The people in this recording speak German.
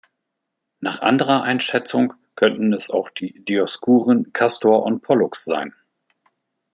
Nach anderer Einschätzung könnten es auch die Dioskuren Castor und Pollux sein.